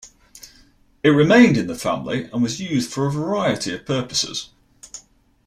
It remained in the family and was used for a variety of purposes.